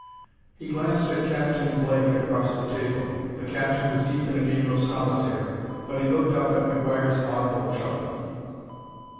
He glanced at Captain Blake across the table. The captain was deep in a game of solitaire, but he looked up at McGuire's audible chuckle.